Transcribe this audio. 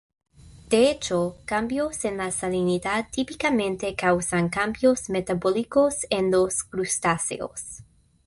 De hecho, cambios en la salinidad típicamente causan cambios metabólicos en los crustáceos.